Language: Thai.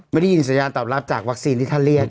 ไม่ได้ยินสัญญาณตอบรับจากวัคซีนที่ท่านเรียก